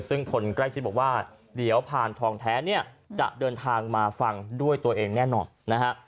ซึ่งคนใกล้ชิดบอกว่าเดี๋ยวพานทองแท้เนี่ยจะเดินทางมาฟังด้วยตัวเองแน่นอนนะฮะ